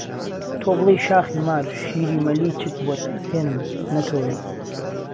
تۆ بڵهی شاخی مار شیری مهلیچک بۆت ئهسێنم، نهتۆری